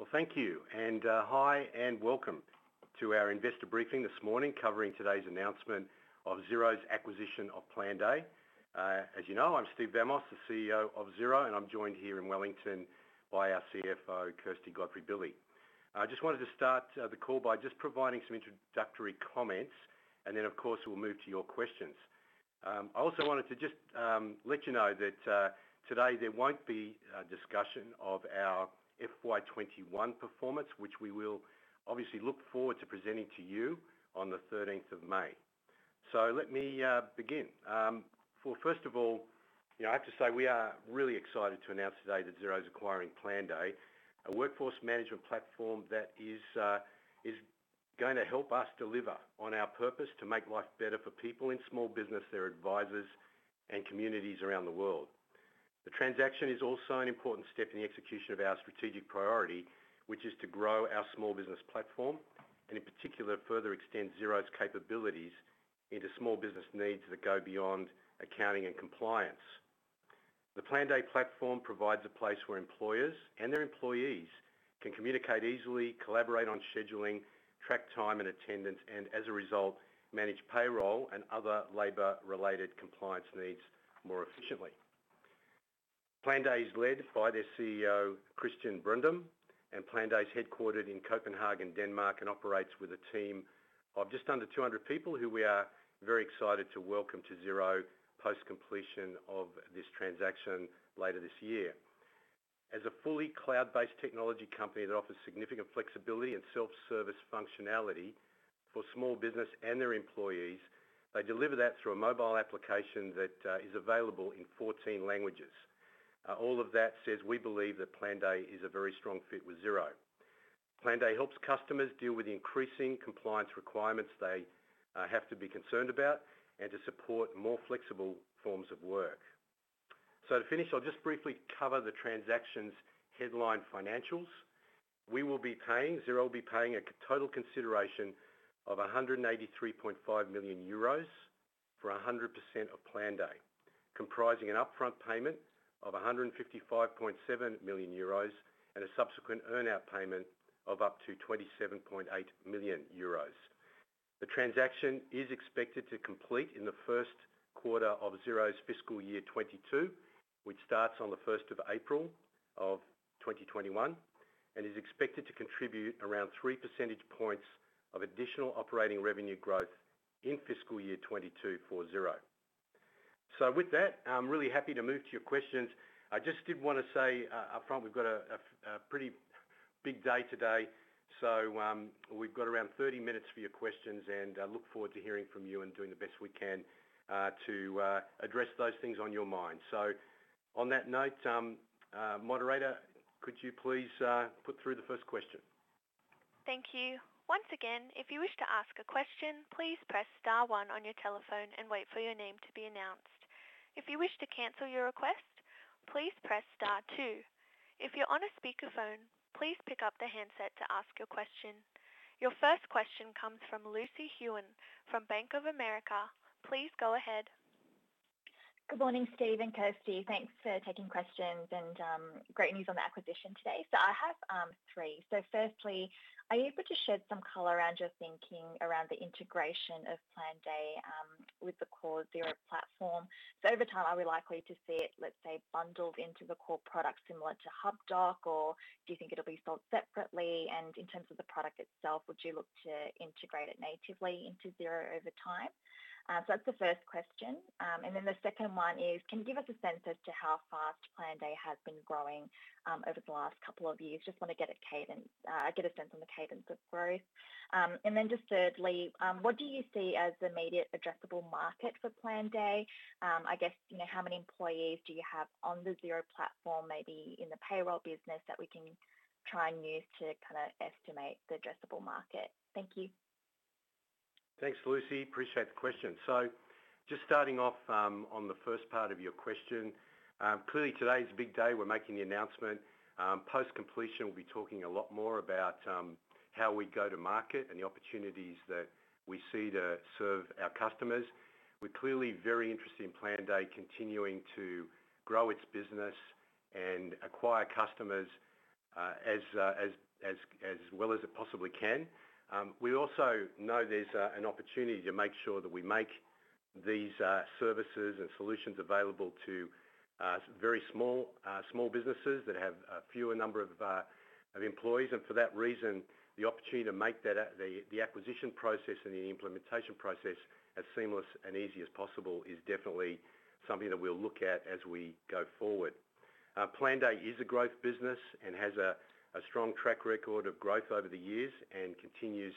Well, thank you, and hi, and welcome to our investor briefing this morning covering today's announcement of Xero's acquisition of Planday. As you know, I'm Steve Vamos, the CEO of Xero, and I'm joined here in Wellington by our CFO, Kirsty Godfrey-Billy. I just wanted to start the call by just providing some introductory comments. Then, of course, we'll move to your questions. I also wanted to just let you know that today there won't be a discussion of our FY 2021 performance, which we will obviously look forward to presenting to you on the 13th of May. Let me begin. First of all, I have to say we are really excited to announce today that Xero is acquiring Planday, a workforce management platform that is going to help us deliver on our purpose to make life better for people in small businesses, their advisors, and communities around the world. The transaction is also an important step in the execution of our strategic priority, which is to grow our small business platform and, in particular, further extend Xero's capabilities into small business needs that go beyond accounting and compliance. The Planday platform provides a place where employers and their employees can communicate easily, collaborate on scheduling, track time and attendance, and, as a result, manage payroll and other labor-related compliance needs more efficiently. Planday is led by their CEO, Christian Brøndum, and Planday is headquartered in Copenhagen, Denmark, and operates with a team of just under 200 people who we are very excited to welcome to Xero post-completion of this transaction later this year. As a fully cloud-based technology company that offers significant flexibility and self-service functionality for small businesses and their employees, they deliver that through a mobile application that is available in 14 languages. All of that says we believe that Planday is a very strong fit with Xero. Planday helps customers deal with the increasing compliance requirements they have to be concerned about and to support more flexible forms of work. To finish, I'll just briefly cover the transaction's headline financials. Xero will be paying a total consideration of 183.5 million euros for 100% of Planday, comprising an upfront payment of 155.7 million euros and a subsequent earn-out payment of up to 27.8 million euros. The transaction is expected to complete in the first quarter of Xero's FY 2022, which starts on the 1st of April 2021, and is expected to contribute around 3 percentage points of additional operating revenue growth in FY 2022 for Xero. With that, I'm really happy to move to your questions. I just did want to say up front, we've got a pretty big day today, so we've got around 30 minutes for your questions, and I look forward to hearing from you and doing the best we can to address those things on your mind. On that note, moderator, could you please put through the first question? Thank you. Your first question comes from Lucy Hoang from Bank of America. Please go ahead. Good morning, Steve and Kirsty. Thanks for taking questions and for the great news on the acquisition today. I have three. Firstly, are you able to shed some light around your thinking around the integration of Planday with the core Xero platform? Over time, are we likely to see it, let's say, bundled into the core product similar to Hubdoc, or do you think it'll be sold separately? In terms of the product itself, would you look to integrate it natively into Xero over time? That's the first question. The second one is, can you give us a sense as to how fast Planday has been growing over the last couple of years? Just want to get a sense of the cadence of growth. Just thirdly, what do you see as the immediate addressable market for Planday? I guess how many employees do you have on the Xero platform, maybe in the payroll business, that we can try and use to kind of estimate the addressable market? Thank you. Thanks, Lucy. Appreciate the question. Just starting off on the first part of your question. Clearly, today's a big day. We're making the announcement. Post-completion, we'll be talking a lot more about how we go to market and the opportunities that we see to serve our customers. We're clearly very interested in Planday continuing to grow its business and acquire customers as well as it possibly can. We also know there's an opportunity to make sure that we make these services and solutions available to very small businesses that have a fewer number of employees, for that reason, the opportunity to make the acquisition process and the implementation process as seamless and easy as possible is definitely something that we'll look at as we go forward. Planday is a growth business and has a strong track record of growth over the years and continues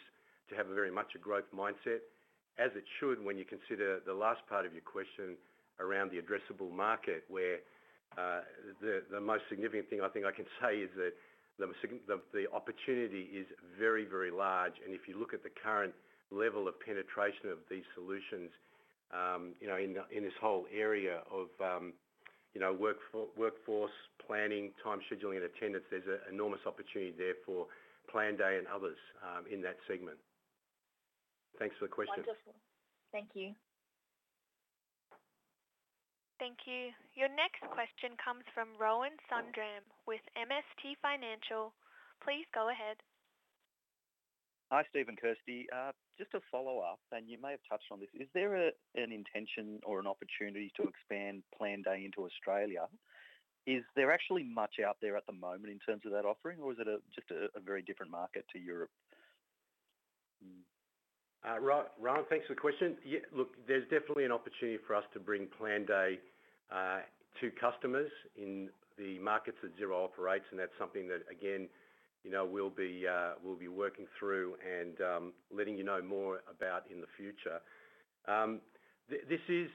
to have very much a growth mindset, as it should when you consider the last part of your question around the addressable market, where the most significant thing I think I can say is that the opportunity is very large, and if you look at the current level of penetration of these solutions in this whole area of workforce planning, time scheduling, and attendance, there's an enormous opportunity there for Planday and others in that segment. Thanks for the question. Wonderful. Thank you. Thank you. Your next question comes from Rohan Sundram with MST Financial. Please go ahead. Hi, Steve and Kirsty. Just to follow up, and you may have touched on this, is there an intention or an opportunity to expand Planday into Australia? Is there actually much out there at the moment in terms of that offering, or is it just a very different market to Europe? Rohan, thanks for the question. Yeah, look, there's definitely an opportunity for us to bring Planday to customers in the markets that Xero operates. That's something that, again, we'll be working through and letting you know more about in the future. This is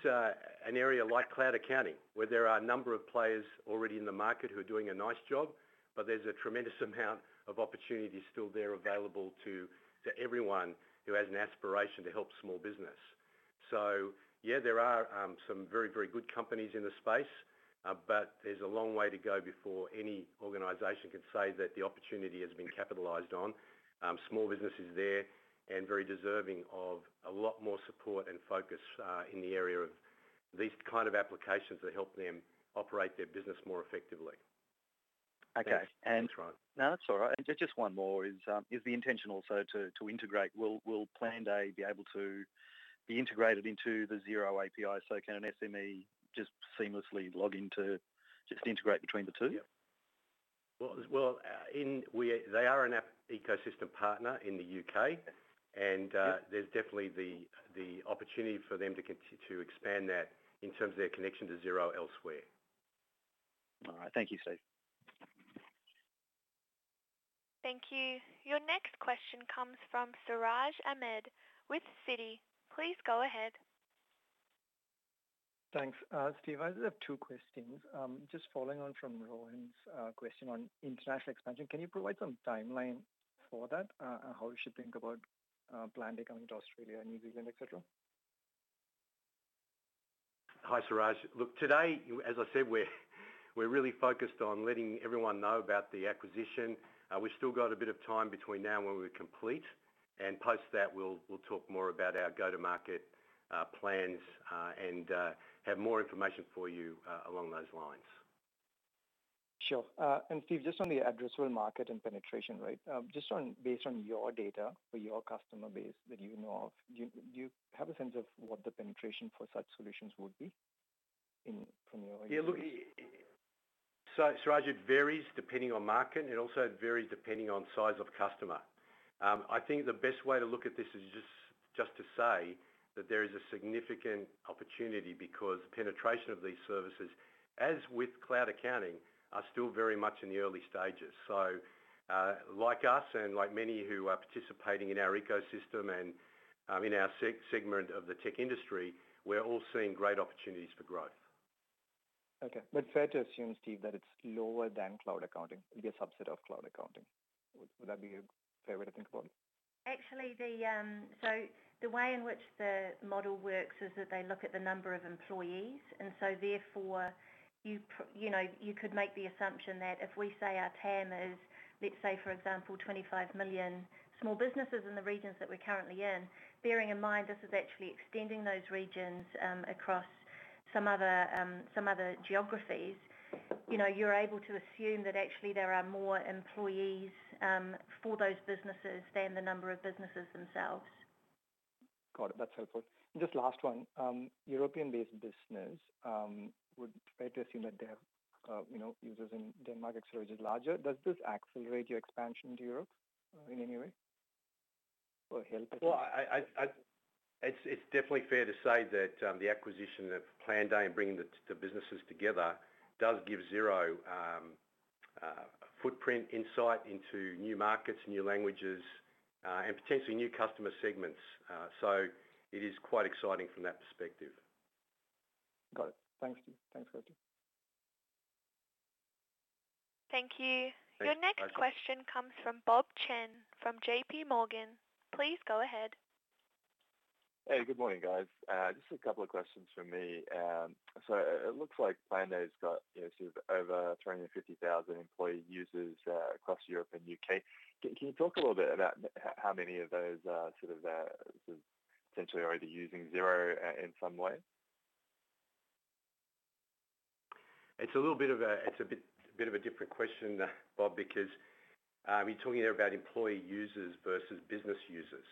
an area, like cloud accounting, where there are a number of players already in the market who are doing a nice job. There's a tremendous amount of opportunity still there available to everyone who has an aspiration to help small businesses. Yeah, there are some very good companies in this space. There's a long way to go before any organization can say that the opportunity has been capitalized on. Small businesses are there and very deserving of a lot more support and focus in the area of these kinds of applications that help them operate their businesses more effectively. Okay. Thanks, Rohan. No, that's all right. Just one more. Will Planday be able to be integrated into the Xero API, so can an SME just seamlessly log in to integrate between the two? Yeah. Well, they are an app ecosystem partner in the U.K., and there's definitely the opportunity for them to expand that in terms of their connection to Xero elsewhere. All right. Thank you, Steve. Thank you. Your next question comes from Siraj Ahmed with Citi. Please go ahead. Thanks. Steve, I just have two questions. Just following on from Rohan's question on international expansion, can you provide some timeline for that, how we should think about Planday coming to Australia and New Zealand, and so on? Hi, Siraj. Look, today, as I said, we're really focused on letting everyone know about the acquisition. We've still got a bit of time between now and when we're complete, and post that, we'll talk more about our go-to-market plans and have more information for you along those lines. Sure. Steve, just on the addressable market and penetration rate, just based on your data for your customer base that you know of, do you have a sense of what the penetration for such solutions would be from your end? Yeah, look, Siraj, it varies depending on the market. It also varies depending on the size of the customer. I think the best way to look at this is just to say that there is a significant opportunity because penetration of these services, as with cloud accounting, is still very much in the early stages. Like us and like many who are participating in our ecosystem and in our segment of the tech industry, we're all seeing great opportunities for growth. Okay. Fair to assume, Steve, that it's lower than cloud accounting. It'd be a subset of cloud accounting. Would that be a fair way to think about it? Actually, the way in which the model works is that they look at the number of employees, therefore, you could make the assumption that if we say our TAM is, let's say, for example, 25 million small businesses in the regions that we're currently in, bearing in mind this is actually extending those regions across some other geographies. You're able to assume that actually there are more employees for those businesses than the number of businesses themselves. Got it. That's helpful. Just the last one. European-based business, it's fair to assume that their users in Denmark, et cetera, are larger. Does this accelerate your expansion to Europe in any way or help it? Well, it's definitely fair to say that the acquisition of Planday and bringing the two businesses together do give Xero a footprint insight into new markets, new languages, and potentially new customer segments. It is quite exciting from that perspective. Got it. Thanks, Steve. Thanks, Kirsty. Thank you. [inaudible] Your next question comes from Bob Chen from JP Morgan. Please go ahead. Hey, good morning, guys. Just a couple of questions from me. It looks like Planday's got over 250,000 employee users across Europe and the UK. Can you talk a little bit about how many of those are potentially already using Xero in some way? It's a bit of a different question, Bob, because you're talking there about employee users versus business users.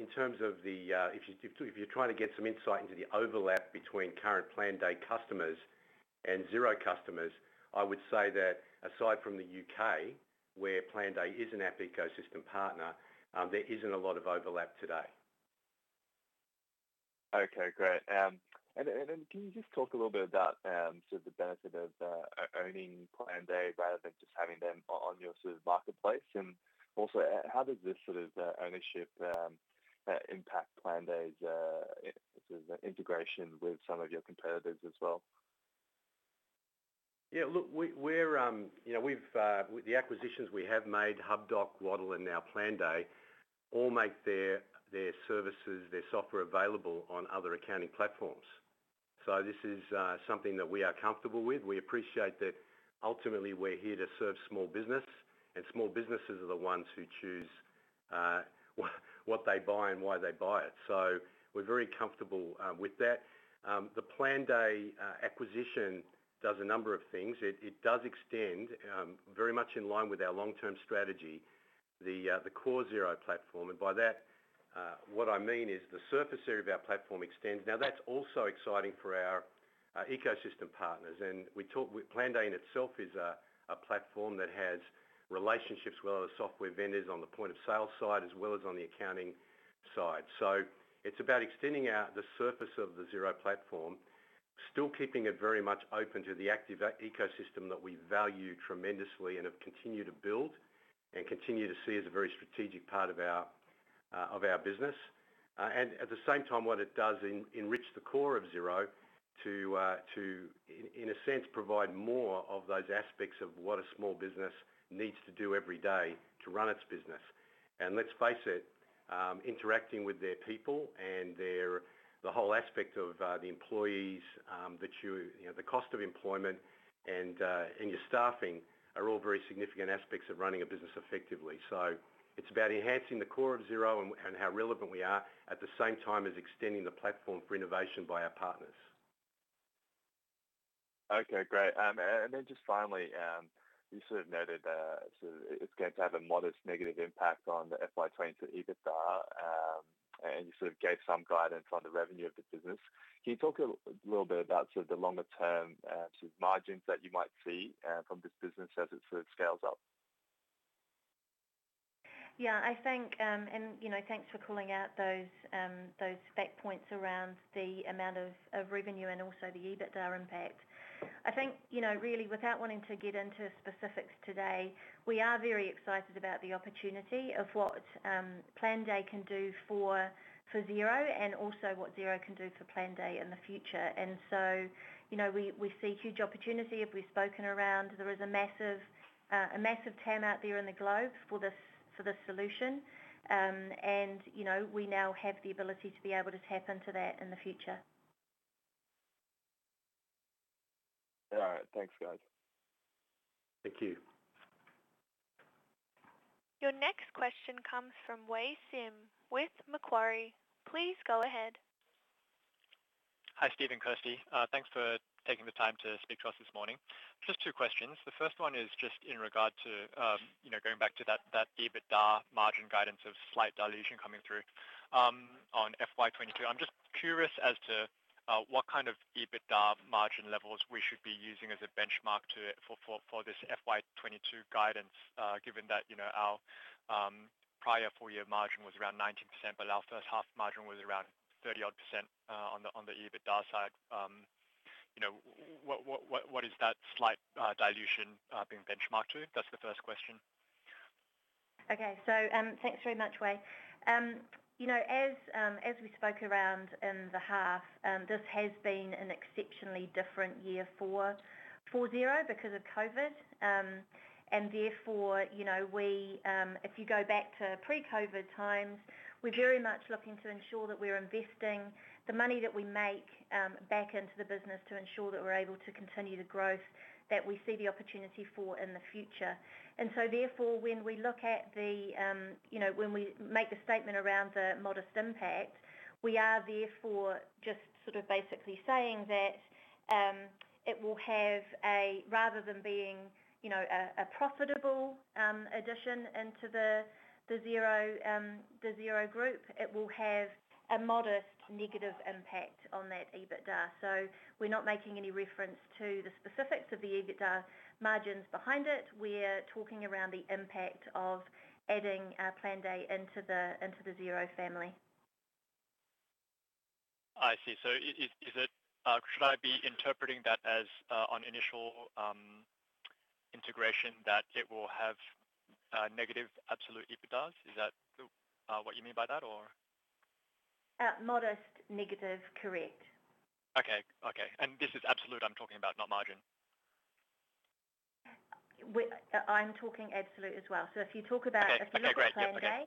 In terms of if you're trying to get some insight into the overlap between current Planday customers and Xero customers, I would say that aside from the U.K., where Planday is an app ecosystem partner, there isn't a lot of overlap today. Okay, great. Can you just talk a little bit about the benefit of owning Planday rather than just having them on your marketplace, and also, how does this sort of ownership impact Planday's integration with some of your competitors as well? Yeah. Look, the acquisitions we have made, Hubdoc, Waddle, and now Planday, all make their services and their software available on other accounting platforms. This is something that we are comfortable with. We appreciate that ultimately we're here to serve small businesses, and small businesses are the ones who choose what they buy and why they buy it. We're very comfortable with that. The Planday acquisition does a number of things. It does extend, very much in line with our long-term strategy, the core Xero platform. By that, what I mean is the surface area of our platform extends. Now, that's also exciting for our ecosystem partners. Planday in itself is a platform that has relationships with other software vendors on the point-of-sale side as well as on the accounting side. It's about extending out the surface of the Xero platform, still keeping it very much open to the active ecosystem that we value tremendously and have continued to build and continue to see as a very strategic part of our business. At the same time, what it does is enrich the core of Xero to, in a sense, provide more of those aspects of what a small business needs to do every day to run its business. Let's face it, interacting with their people and the whole aspect of the employees, the cost of employment, and your staffing are all very significant aspects of running a business effectively. It's about enhancing the core of Xero and how relevant we are at the same time as extending the platform for innovation by our partners. Okay, great. Just finally, you sort of noted that it's going to have a modest negative impact on the FY 2022 EBITDA. You sort of gave some guidance on the revenue of the business. Can you talk a little bit about the longer-term margins that you might see from this business as it sort of scales up? Yeah. Thanks for calling out those fact points around the amount of revenue and also the EBITDA impact. I think, really, without wanting to get into specifics today, we are very excited about the opportunity of what Planday can do for Xero and also what Xero can do for Planday in the future. We see a huge opportunity, as we've spoken about it. There is a massive TAM out there in the globe for this solution. We now have the ability to be able to tap into that in the future. All right. Thanks, guys. Thank you. Your next question comes from Wei Sim with Macquarie. Please go ahead. Hi, Steve and Kirsty. Thanks for taking the time to speak to us this morning. Just two questions. The first one is just in regard to going back to that EBITDA margin guidance of slight dilution coming through on FY 2022. I'm just curious as to what kind of EBITDA margin levels we should be using as a benchmark for this FY 2022 guidance, given that our prior four-year margin was around 19%, but our first-half margin was around 30%-odd on the EBITDA side. What is that slight dilution being benchmarked to? That's the first question. Thanks very much, Wei. As we spoke for half an hour, this has been an exceptionally different year for Xero because of COVID. Therefore, if you go back to pre-COVID times, we're very much looking to ensure that we're investing the money that we make back into the business to ensure that we're able to continue the growth that we see the opportunity for in the future. Therefore, when we make the statement around the modest impact, we are therefore just sort of basically saying that rather than being a profitable addition to Xero Limited, it will have a modest negative impact on that EBITDA. We're not making any reference to the specifics of the EBITDA margins behind it. We're talking about the impact of adding Planday into the Xero family. I see. Should I be interpreting that as an initial integration that it will have a negative absolute EBITDA? Is that what you mean by that? Modest negative, correct. Okay. This is absolute, I'm talking about, not marginal. I'm talking absolutely, as well— Okay. Great. ...Planday.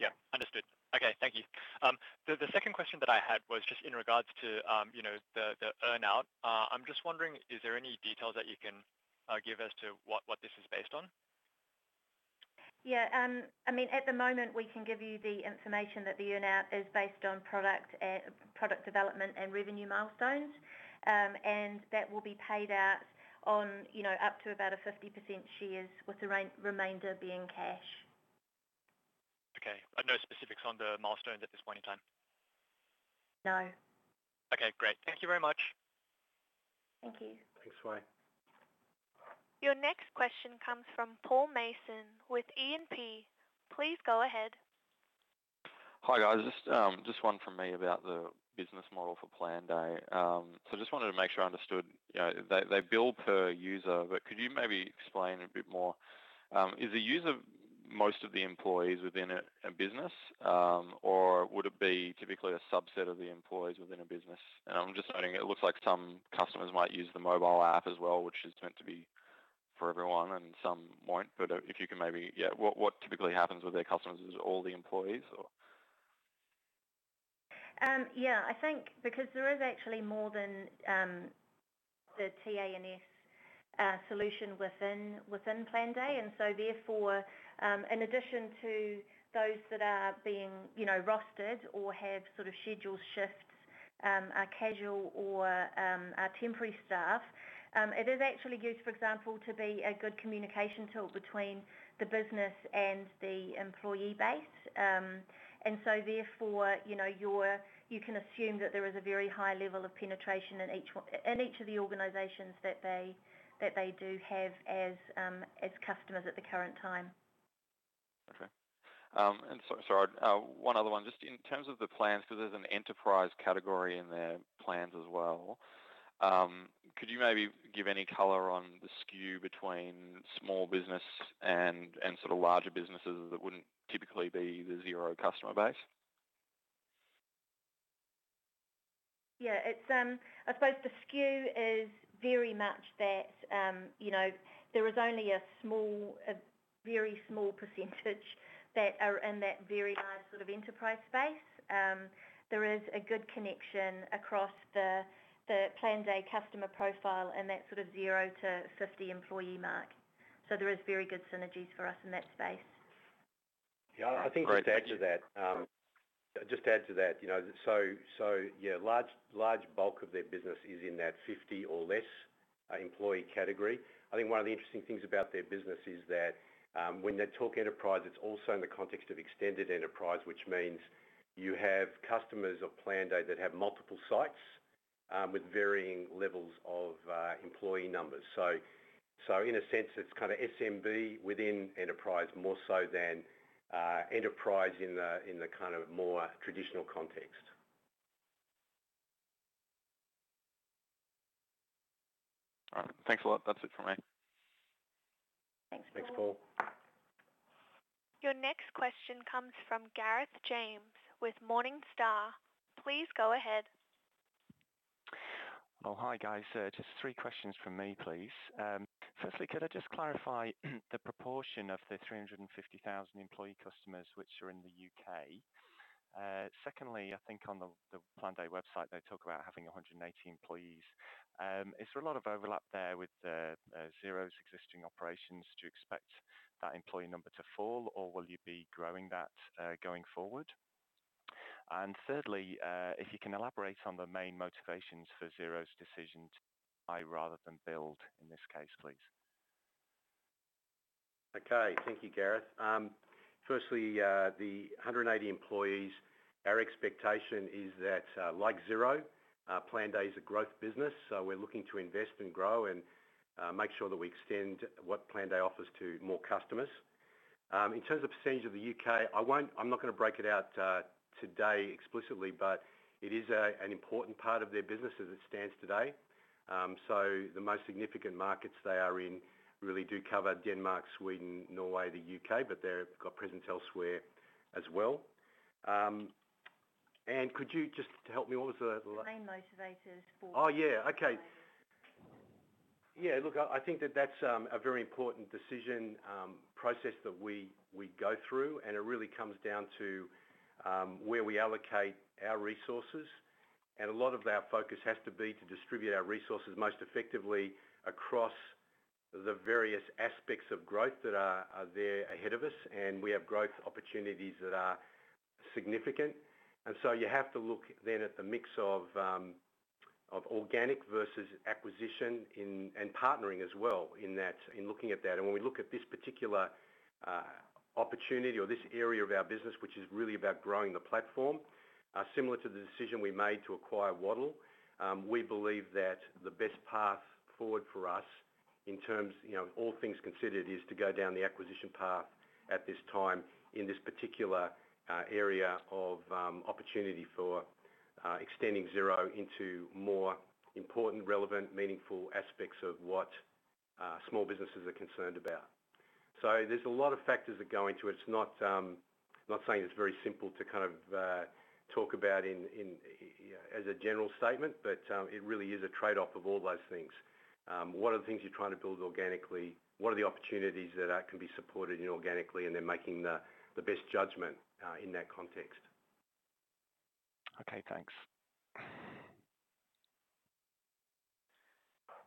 Yeah, understood. Okay, thank you. The second question that I had was just in regards to the earn-out. I'm just wondering, are there any details that you can give as to what this is based on? Yeah. At the moment, we can give you the information that the earn-out is based on product development and revenue milestones. That will be paid out on up to about 50% of the shares, with the remainder being cash. Okay. No specifics on the milestones at this point in time? No. Okay, great. Thank you very much. Thank you. Thanks, Wei. Your next question comes from Paul Mason with E&P. Please go ahead. Hi, guys. Just one from me about the business model for Planday. Just wanted to make sure I understood. They bill per user, could you maybe explain a bit more? Is the user one of most employees within a business? Would it be typically a subset of the employees within a business? I'm just noting it looks like some customers might use the mobile app as well, which is meant to be for everyone, and some won't. If you can, maybe, yeah, what typically happens with their customers is it's all the employees, or? Yeah, I think because there is actually more than the T&A solution within Planday, therefore, in addition to those that are being rostered or have scheduled shifts, are casual, or are temporary staff, it is actually used, for example, to be a good communication tool between the business and the employee base. Therefore, you can assume that there is a very high level of penetration in each of the organizations that they do have as customers at the current time. Okay. Sorry, one other one. Just in terms of the plans, because there is an enterprise category in their plans as well, could you maybe give any color on the skew between small businesses and larger businesses that wouldn't typically be the Xero customer base? Yeah. I suppose the skew is very much that there is only a very small percentage that are in that very large enterprise space. There is a good connection across the Planday customer profile in that sort of zero-50 employee range. There are very good synergies for us in that space. Yeah, I think just to add to that. Yeah, a large bulk of their business is in that 50 or fewer employee category. I think one of the interesting things about their business is that when they talk enterprise, it's also in the context of extended enterprise, which means you have customers of Planday that have multiple sites with varying levels of employee numbers. In a sense, it's kind of an SMB within an enterprise more so than an enterprise in the more traditional context. All right. Thanks a lot. That's it from me. Thanks. Thanks, Paul. Your next question comes from Gareth James with Morningstar. Please go ahead. Oh, hi, guys. Just three questions from me, please. Firstly, could I just clarify the proportion of the 350,000 employee customers that are in the U.K.? Secondly, I think on the Planday website, they talk about having 180 employees. Is there a lot of overlap there with Xero's existing operations? Do you expect that employee number to fall, or will you be growing that going forward? Thirdly, if you can elaborate on the main motivations for Xero's decision to buy rather than build in this case, please. Okay. Thank you, Gareth. Firstly, for the 180 employees, our expectation is that, like Xero, Planday is a growth business. We're looking to invest and grow and make sure that we extend what Planday offers to more customers. In terms of percentage of the U.K., I'm not going to break it out today explicitly, but it is an important part of their business as it stands today. The most significant markets they are in really do cover Denmark, Sweden, Norway, and the U.K., but they've got a presence elsewhere as well. Anna, could you just help me? [inaudible] Oh, yeah. Okay. Look, I think that that's a very important decision process that we go through, and it really comes down to where we allocate our resources. A lot of our focus has to be to distribute our resources most effectively across the various aspects of growth that are there ahead of us, and we have growth opportunities that are significant. You have to look, then, at the mix of organic versus acquisition and partnering as well in looking at that. When we look at this particular opportunity or this area of our business, which is really about growing the platform, similar to the decision we made to acquire Waddle, we believe that the best path forward for us in terms of all things considered is to go down the acquisition path at this time in this particular area of opportunity for extending Xero into more important, relevant, meaningful aspects of what small businesses are concerned about. There are a lot of factors that go into it. I'm not saying it's very simple to talk about as a general statement, but it really is a trade-off of all those things. What are the things you're trying to build organically? What are the opportunities that can be supported inorganically? Making the best judgment in that context. Okay, thanks.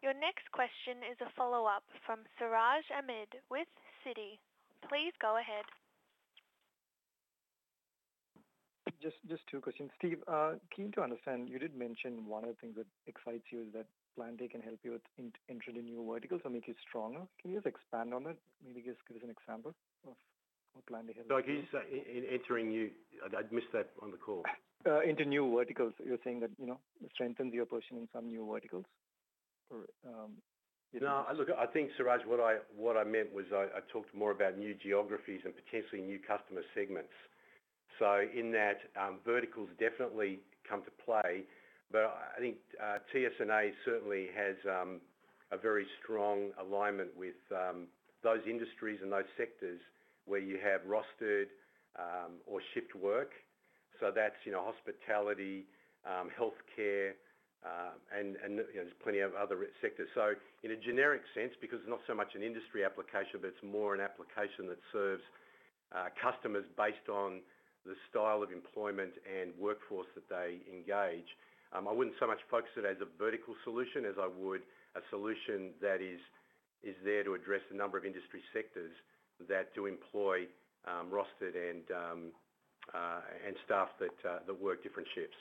Your next question is a follow-up from Siraj Ahmed with Citi. Please go ahead. Just two questions. Steve, keen to understand, you did mention one of the things that excites you is that Planday can help you with entering new verticals or make you stronger. Can you just expand on that? Maybe just give us an example of what Planday helps you with. Sorry, can you just say I'm entering you? I missed that on the call. Into new verticals. You're saying that strengthens your position in some new verticals? No, look, I think, Siraj, what I meant was I talked more about new geographies and potentially new customer segments. In that, verticals definitely come to play. I think T&A certainly has a very strong alignment with those industries and those sectors where you have rostered or shift work. That's hospitality and healthcare, and there are plenty of other sectors. In a generic sense, because it's not so much an industry application, it's more an application that serves our customers based on the style of employment and workforce that they engage. I wouldn't so much focus on it as a vertical solution as I would on a solution that is there to address the number of industry sectors that do employ rostered staff that work different shifts.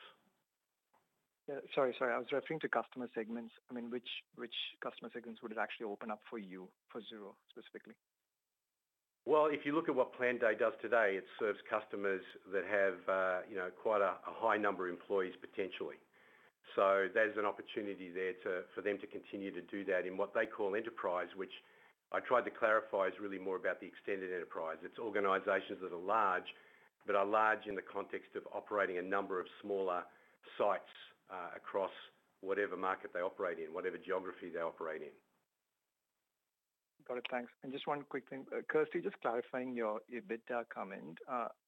Yeah, sorry, I was referring to customer segments. Which customer segments would it actually open up for you, for Xero specifically? Well, if you look at what Planday does today, it serves customers that have quite a high number of employees, potentially. There's an opportunity there for them to continue to do that in what they call enterprise, which I tried to clarify is really more about the extended enterprise. It's organizations that are large, but are large in the context of operating a number of smaller sites across whatever market they operate in, whatever geography they operate in. Got it. Thanks. Just one quick thing. Kirsty, just clarifying your EBITDA comment.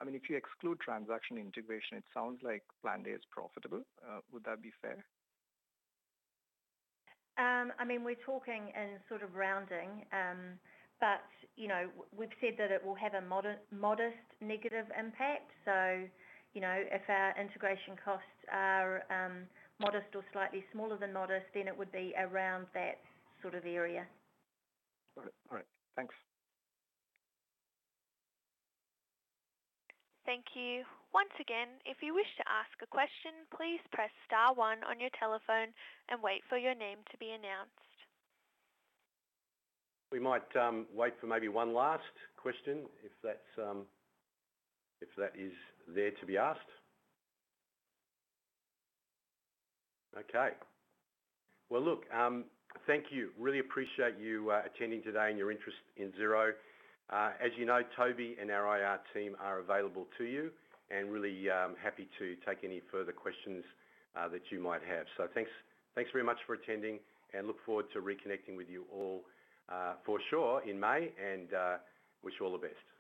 If you exclude transaction integration, it sounds like Planday is profitable. Would that be fair? We're talking in sort of rounding, but we've said that it will have a modest negative impact. If our integration costs are modest or slightly smaller than modest, it would be around that sort of area. Got it. All right. Thanks. Thank you. Once again, if you wish to ask a question, please press star one on your telephone and wait for your name to be announced. We might wait for maybe one last question, if that is to be asked. Okay. Well, look, thank you. Really appreciate you attending today and your interest in Xero. As you know, Toby and our IR team are available to you and really happy to take any further questions that you might have. Thanks very much for attending, and I look forward to reconnecting with you all for sure in May and wish you all the best.